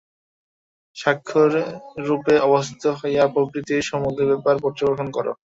সাক্ষিরূপে অবস্থিত হইয়া প্রকৃতির সমুদয় ব্যাপার পর্যবেক্ষণ কর।